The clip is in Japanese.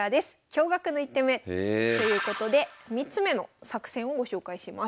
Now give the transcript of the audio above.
「驚がくの一手目！」ということで３つ目の作戦をご紹介します。